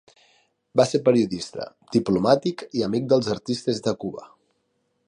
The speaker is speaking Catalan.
Va ser periodista, diplomàtic i amic dels artistes de Cuba.